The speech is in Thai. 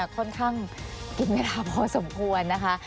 ค่อนข้างกินเวลาพอสมควรนะคะ